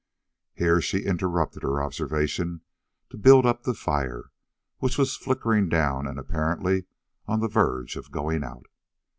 Here she interrupted her observations to build up the fire, which was flickering down and apparently on the verge of going out.